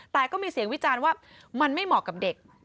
แต่ก็มีเสียงวิจารณ์ว่ามันไม่เหมาะกับเด็ก